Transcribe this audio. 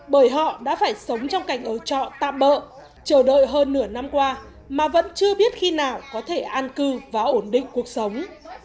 bởi họ đã phải sống trong cảnh ở trọ tạm bỡ chờ đợi hơn nửa năm qua mà vẫn chưa biết khi nào có thể an cư và ổn định cuộc sống